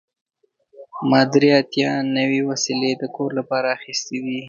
ما درې اتیا نوې وسیلې د کور لپاره اخیستې دي.